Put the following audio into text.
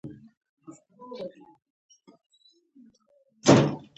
• شیدې د مغز د فعالیت لپاره هم ګټورې دي.